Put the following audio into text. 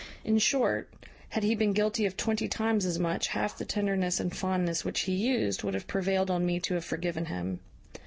In short, had he been guilty of twenty times as much, half the tenderness and fondness which he used would have prevailed on me to have forgiven him.